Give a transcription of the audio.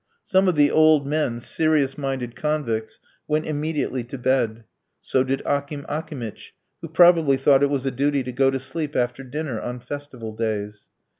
Some of the old men, serious minded convicts, went immediately to bed. So did Akim Akimitch, who probably thought it was a duty to go to sleep after dinner on festival days.